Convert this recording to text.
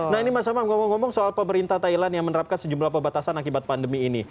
nah ini mas amam ngomong ngomong soal pemerintah thailand yang menerapkan sejumlah pembatasan akibat pandemi ini